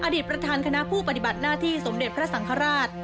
อดีตประธานคณะผู้ปฏิบัติหน้าที่สมเด็จพระสังฆราช